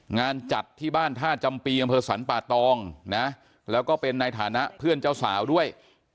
งานจัดที่บ้านท่าจำปีอำเภอสรรป่าตองนะแล้วก็เป็นในฐานะเพื่อนเจ้าสาวด้วย